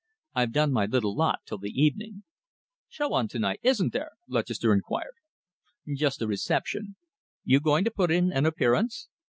"I've done my little lot till the evening." "Show on to night, isn't there?" Lutchester inquired. "Just a reception. You're going to put in an appearance?"